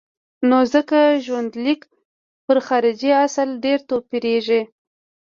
نو ځکه ژوندلیک پر خارجي اصل ډېر توپیرېږي.